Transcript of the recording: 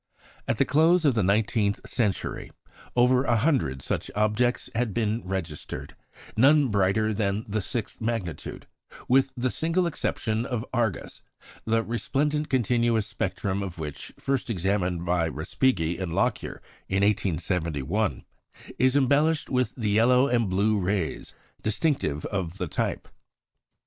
At the close of the nineteenth century, over a hundred such objects had been registered, none brighter than the sixth magnitude, with the single exception of Gamma Argûs, the resplendent continuous spectrum of which, first examined by Respighi and Lockyer in 1871, is embellished with the yellow and blue rays distinctive of the type.